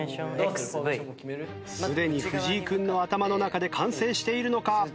すでに藤井君の頭の中で完成しているのか？